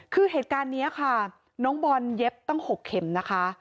คือเหตุการณ์นี้ค่ะน้องบอลเย็บตั้ง๖เข็มนะคะ